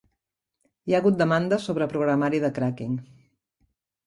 Hi ha hagut demandes sobre programari de cracking.